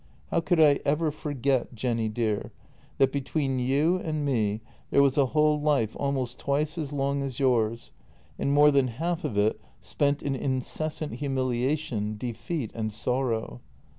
How could I ever forget, Jenny dear, that between you and me there was a whole life almost twice as long as yours, and more JENNY 251 than half of it spent in incessant humiliation, defeat, and sorrow